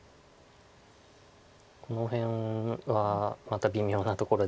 この辺はまた微妙なところで。